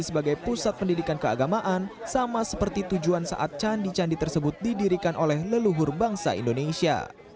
sebagai pusat pendidikan keagamaan sama seperti tujuan saat candi candi tersebut didirikan oleh leluhur bangsa indonesia